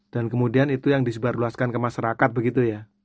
dan kemudian itu yang disebarluaskan ke masyarakat begitu ya